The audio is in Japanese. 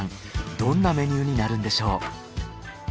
どんなメニューになるんでしょう？